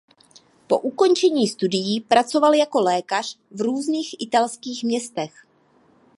Po ukončení studií pracoval jako lékař v různých italských městech.